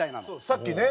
さっきね。